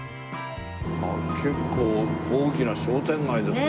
あっ結構大きな商店街ですね。